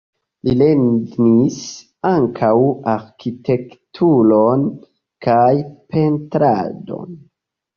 Li lernis ankaŭ arkitekturon kaj pentradon.